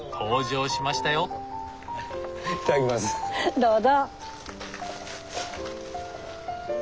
どうぞ。